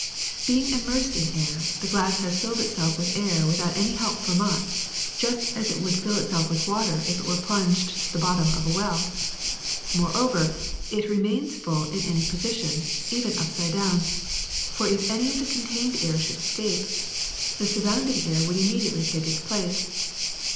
*^ Being immersed in air, the glass has filled itself with air without any help from us, just as it would fill itself with water if it were plunged to the bottom of a well. Moreover, it remains full in any position, even upside down; for if any of the contained air should escape, the surrounding air would immedi AIR 295 ately take its place.